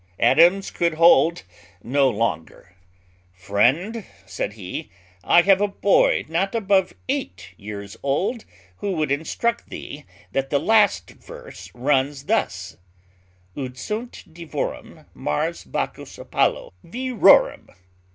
Adams could hold no longer: "Friend," said he, "I have a boy not above eight years old who would instruct thee that the last verse runs thus: _"'Ut sunt Divorum, Mars, Bacchus, Apollo, virorum.'"